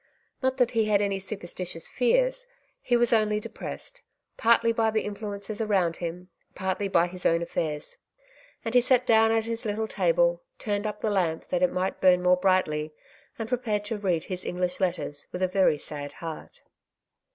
Not that he had any superstitious fears ; he was only depressed, partly by the influences around him, partly by his own affairs ; and he sat down at his little table, turned up the lamp that it might bum more brightly, and prepared to read his English letters with a very sad heart.